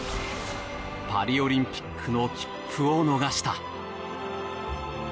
パリオリンピックの切符を逃した。